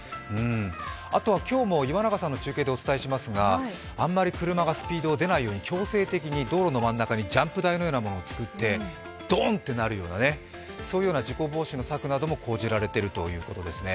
あと今日も岩永さんの中継でお伝えしますが、あまり車のスピードが出ないように強制的に道路の真ん中にジャンプ台みたいなものを作ってドン！ってなるような、事故防止の策なども講じられているようです。